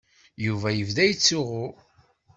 Yuba yebda yettsuɣu.